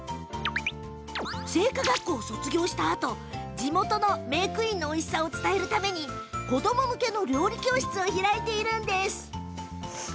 製菓学校を卒業したあと地元のメークイーンのおいしさを伝えるために子ども向けの料理教室を開いているんです。